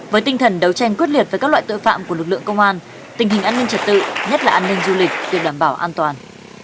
với tinh thần đấu tranh quyết liệt với các loại tội phạm của lực lượng công an tình hình an ninh trật tự nhất là an ninh du lịch được đảm bảo an toàn